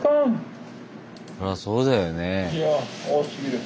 そらそうだよね。